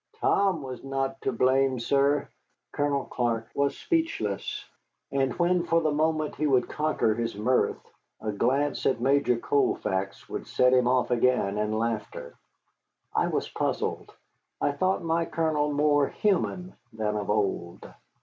Tom was not to blame, sir." Colonel Clark was speechless. And when for the moment he would conquer his mirth, a glance at Major Colfax would set him off again in laughter. I was puzzled. I thought my Colonel more human than of old.